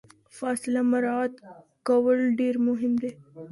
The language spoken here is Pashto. فاصله مراعات کول ډیر مهم دي.